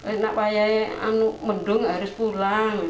nggak payah mendung harus pulang